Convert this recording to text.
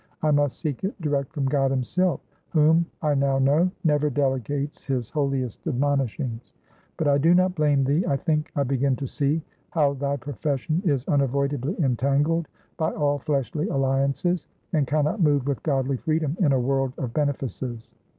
I must seek it direct from God himself, whom, I now know, never delegates his holiest admonishings. But I do not blame thee; I think I begin to see how thy profession is unavoidably entangled by all fleshly alliances, and can not move with godly freedom in a world of benefices.